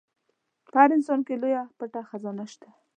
په هر انسان کې لويه پټه خزانه شته.